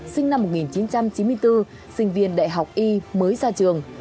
sinh năm một nghìn chín trăm chín mươi bốn sinh viên đại học y mới ra trường